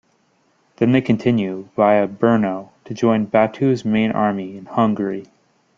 Then they continued via Brno, to join Batu's main army in Hungary.